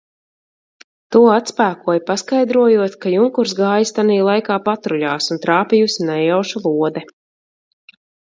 To atspēkoja paskaidrojot, ka junkurs gājis tanī laikā patruļās un trāpījusi nejauša lode.